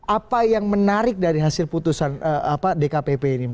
apa yang menarik dari hasil putusan dkpp ini